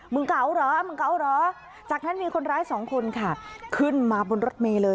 เก๋าเหรอมึงเกาเหรอจากนั้นมีคนร้ายสองคนค่ะขึ้นมาบนรถเมย์เลย